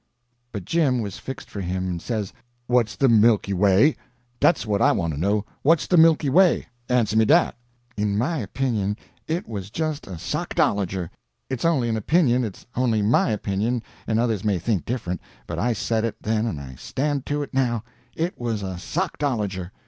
But Jim was fixed for him and says: "What's de Milky Way?—dat's what I want to know. What's de Milky Way? Answer me dat!" In my opinion it was just a sockdologer. It's only an opinion, it's only my opinion and others may think different; but I said it then and I stand to it now—it was a sockdologer.